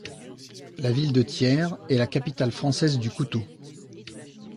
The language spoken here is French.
La ville de Thiers est la capitale française du couteau.